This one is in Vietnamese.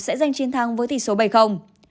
sẽ giành chiến thắng với tỷ số bảy